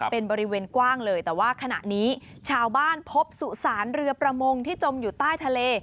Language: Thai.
เป็นบริเวณกว้างเลยแต่ว่าขณะนี้ชาวบ้านพบสุสานเรือประมงที่จมอยู่ใต้ทะเล